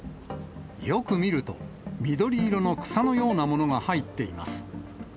よく見ると、緑色の草のようなものが入っています。